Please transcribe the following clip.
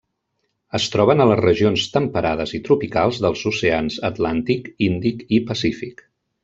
Es troben a les regions temperades i tropicals dels oceans Atlàntic, Índic i Pacífic.